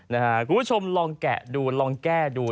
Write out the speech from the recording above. คุณผู้ชมลองแกะดูลองแก้ดู